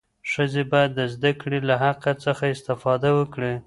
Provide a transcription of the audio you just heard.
ښځې باید د زدهکړې له حق څخه استفاده وکړي.